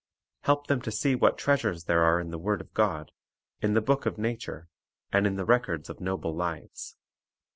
Help them to see what treasures there are in the word of God, in the book of nature, and in the records of noble lives.